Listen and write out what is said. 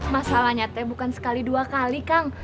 masalahnya teh bukan sekali dua kali kang